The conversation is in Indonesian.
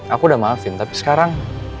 aku udah maafin tapi sekarang